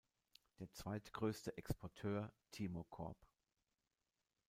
Der zweitgrößte Exporteur "Timor Corp.